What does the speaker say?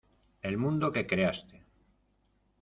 el mundo que creaste.